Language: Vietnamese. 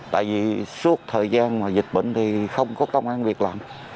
tại vì suốt thời gian mà dịch bệnh thì không có công an việc làm